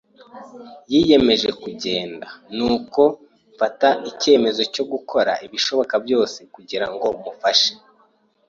Yiyemeje kugenda, nuko mfata icyemezo cyo gukora ibishoboka byose kugira ngo mumfashe.